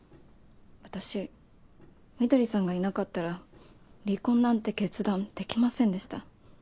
私翠さんがいなかったら離婚なんて決断できませんでした。